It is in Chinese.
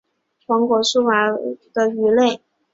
黄果树爬岩鳅为平鳍鳅科爬岩鳅属的鱼类。